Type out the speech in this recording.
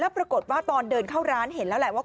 ปรากฏว่าตอนเดินเข้าร้านเห็นแล้วแหละว่า